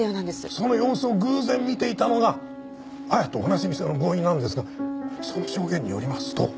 その様子を偶然見ていたのが亜矢と同じ店のボーイなんですがその証言によりますと。